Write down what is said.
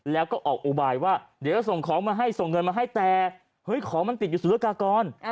แล้วก็ออกอุบายว่าเดี๋ยวจะส่งของมาให้ส่งเงินมาให้แต่เฮ้ยของมันติดอยู่สุรกากร